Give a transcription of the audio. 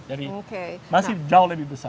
jadi masih jauh lebih besar